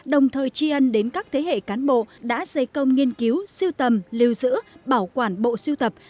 đồng thời tri ân đến các thế hệ cán bộ đã dây công nghiên cứu siêu tầm lưu giữ bảo quản bộ siêu tập